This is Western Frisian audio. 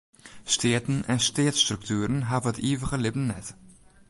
Steaten en steatsstruktueren hawwe it ivige libben net.